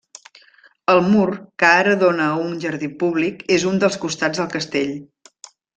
El mur, que ara dóna a un jardí públic, és un dels costats del castell.